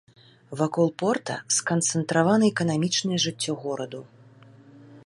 Вакол порта сканцэнтравана эканамічнае жыццё гораду.